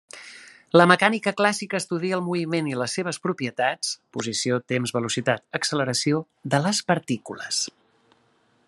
La Mecànica Clàssica estudia el moviment i les seves propietats—posició, temps, velocitat, acceleració—de les partícules.